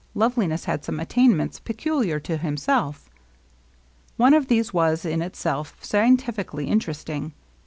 Loveliness had some attainments pecuUar to himself. One of these was in itself scientifically interest ing.